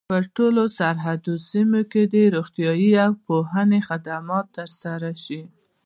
په ټولو سرحدي سیمو کي دي روغتیايي او د پوهني خدمات تر سره سي.